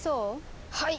はい！